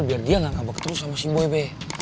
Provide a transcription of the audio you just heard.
biar dia gak ngabuk terus sama si boi be